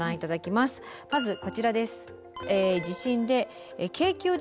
まずこちらです。